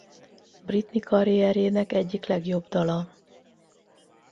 Britney karrierjének egyik legjobb dala!